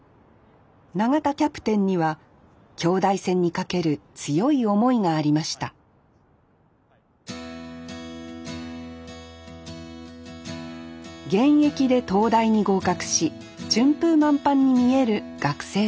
永田キャプテンには京大戦に懸ける強い思いがありました現役で東大に合格し順風満帆に見える学生生活。